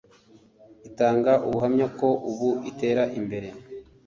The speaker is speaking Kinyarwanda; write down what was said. itanga ubuhamya ko ubu itera imbere